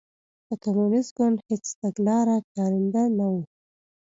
د کمونېست ګوند هېڅ تګلاره کارنده نه وه.